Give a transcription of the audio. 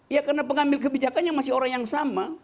ya karena pengambil kebijakannya masih orang yang sama